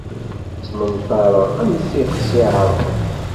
Ttmenṭareɣ am tixsi iɛerqen.